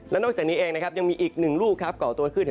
และนอกจากนี้เองนะครับยังมีอีกหนึ่งลูกก่อตัวขึ้น